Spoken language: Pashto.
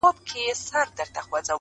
ژور انسان ژور اغېز پرېږدي!.